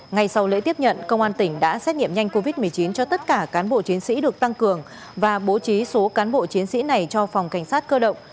ngay sau lễ tiếp nhận công an tỉnh đã xét nghiệm nhanh covid một mươi chín cho tất cả cán bộ chiến sĩ được tăng cường và bố trí số cán bộ chiến sĩ này cho phòng cảnh sát cơ động